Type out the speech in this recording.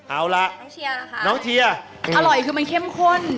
เอาล่ะน้องเชียร์ค่ะน้องเชียร์อร่อยคือมันเข้มข้น